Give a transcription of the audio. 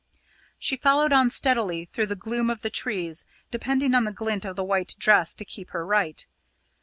She followed on steadily through the gloom of the trees, depending on the glint of the white dress to keep her right.